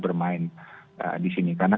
bermain disini karena